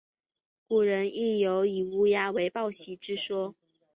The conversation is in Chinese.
古人亦有以乌鸦为报喜之说。